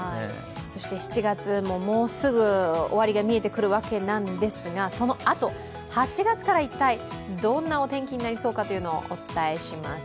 ７月ももうすぐ終わりが見えてくるわけなんですが、そのあと、８月から一体どんなお天気になりそうかというのをお伝えします。